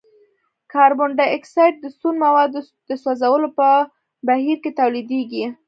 کاربن ډای اکسايډ د سون موادو د سوځولو په بهیر کې تولیدیږي.